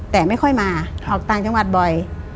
แต่ไม่ค่อยมาออกต่างจังหวัดบ่อย